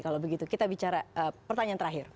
kalau begitu kita bicara pertanyaan terakhir